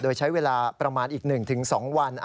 โดยใช้เวลาประมาณอีก๑๒วัน